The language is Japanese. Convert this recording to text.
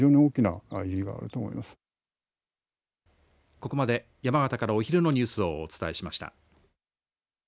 ここまで山形からお昼のニュースをお伝えしました。